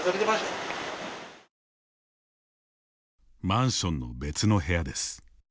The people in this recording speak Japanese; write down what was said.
マンションの別の部屋です。